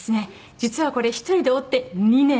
実はこれ１人で織って２年なんです。